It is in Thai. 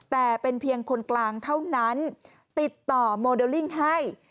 แต่เป็นเพียงคนกลางเท่านั้นติดต่อโมเดลลิ่งให้